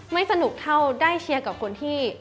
ไม่สนุกเท่าได้เชียร์กับคนที่